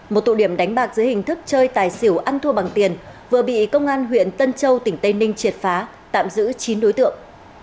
một tụ điểm đánh bạc dưới hình thức chơi tài xỉu ăn thua bằng tiền vừa bị công an huyện tân châu tỉnh tây ninh triệt phá tạm giữ chín đối tượng